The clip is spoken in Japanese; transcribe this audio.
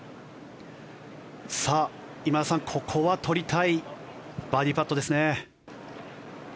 今田さん、ここは取りたいバーディーパットですね。